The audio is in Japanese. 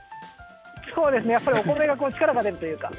そうですね、やっぱりお米は力が出るというか。